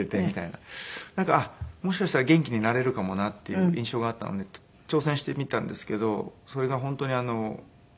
なんかもしかしたら元気になれるかもなっていう印象があったので挑戦してみたんですけどそれが本当にうまい具合にハマりまして。